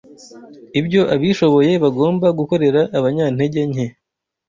ibyo abishoboye bagomba gukorera abanyantege nke,